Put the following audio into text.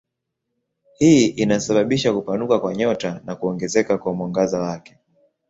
Hii inasababisha kupanuka kwa nyota na kuongezeka kwa mwangaza wake.